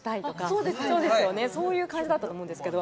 そういう感じだったと思うんですけど